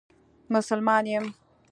مسلمان یم.